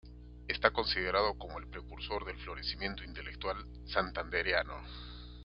Está considerado como el precursor del florecimiento intelectual santandereano.